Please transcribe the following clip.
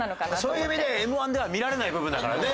そういう意味でＭ−１では見られない部分だからね。